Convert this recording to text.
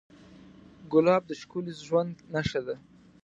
ګلاب د ښکلي ژوند نښه ده.